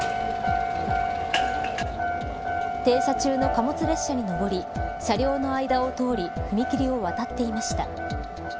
停車中の貨物列車に上り車両の間を通り踏切を渡っていました。